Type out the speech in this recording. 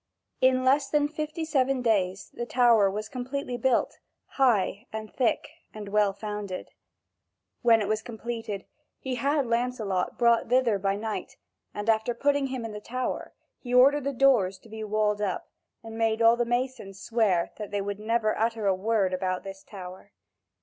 In less than fifty seven days the tower was completely built, high and thick and well founded. When it was completed, he had Lancelot brought thither by night, and after putting him in the tower, he ordered the doors to be walled up, and made all the masons swear that they would never utter a word about this tower.